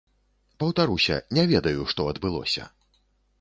Паўтаруся, не ведаю, што адбылося.